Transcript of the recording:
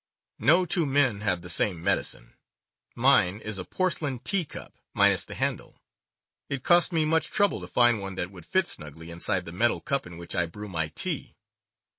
No two men have the same "medicine." Mine is a porcelain teacup, minus the handle. It cost me much trouble to find one that would fit snugly inside the metal cup in which I brew my tea.